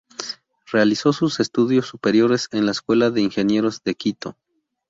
Realizó sus estudios superiores en la escuela de ingenieros de Quito.